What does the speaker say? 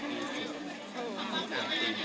พ่อเจ้า